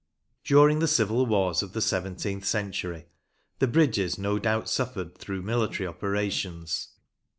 During the civil wars of the seventeenth century the bridges no doubt suffered through military operations.